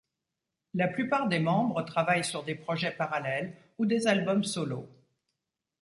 La plupart des membres travaillent sur des projets parallèles ou des albums solo.